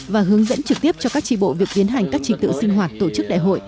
và hướng dẫn trực tiếp cho các tri bộ việc biến hành các trình tự sinh hoạt tổ chức đại hội